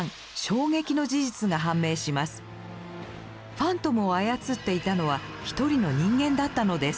ファントムを操っていたのは一人の人間だったのです。